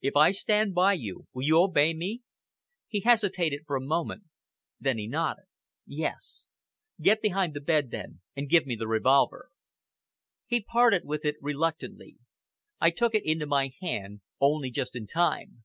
"If I stand by you, will you obey me?" He hesitated for a moment. Then he nodded. "Yes!" "Get behind the bed then, and give me the revolver." He parted with it reluctantly. I took it into my hand, only just in time.